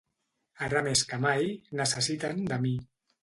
Ara més que mai, necessiten de mi.